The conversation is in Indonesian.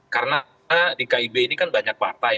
karena di kib ini kan banyak partai